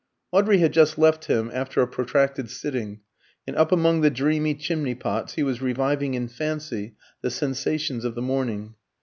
Audrey had just left him after a protracted sitting, and up among the dreamy chimney pots he was reviving in fancy the sensations of the morning.